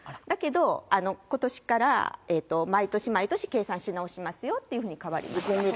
だけど、ことしから毎年毎年計算し直しますよというふうに変わりました。